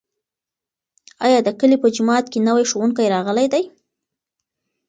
ایا د کلي په جومات کې نوی ښوونکی راغلی دی؟